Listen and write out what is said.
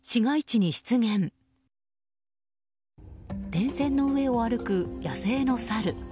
電線の上を歩く、野生のサル。